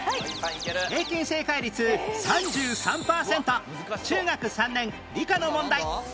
平均正解率３３パーセント中学３年理科の問題